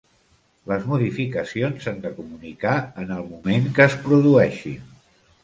Les modificacions s'han de comunicar en el moment que es produeixin.